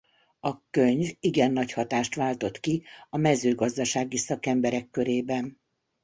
A könyv igen nagy hatást váltott ki a mezőgazdasági szakemberek körében.